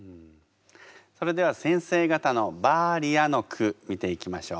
それでは先生方の「バーリア」の句見ていきましょう。